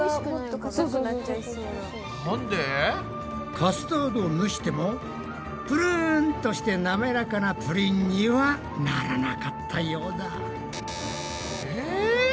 カスタードを蒸してもぷるんとしてなめらかなプリンにはならなかったようだ。え？